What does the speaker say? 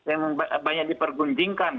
yang banyak dipergunjingkan